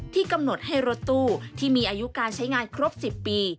กำหนดให้รถตู้ที่มีอายุการใช้งานครบ๑๐ปี